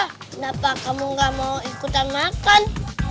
kenapa kamu gak mau ikutan makan